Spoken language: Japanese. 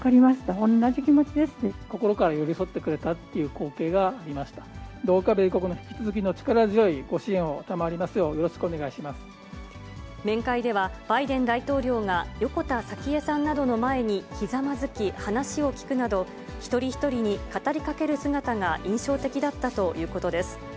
どうか米国の引き続きの力強いご支援を賜りますよう、よろしくお面会では、バイデン大統領が横田早紀江さんなどの前にひざまずき話を聞くなど、一人一人に語りかける姿が印象的だったということです。